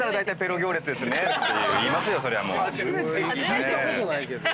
聞いたことないけど。